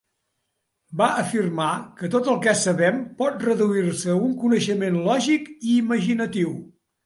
Va afirmar que tot el que sabem pot reduir-se a un coneixement lògic i imaginatiu.